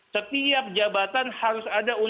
setiap jabatan harus ada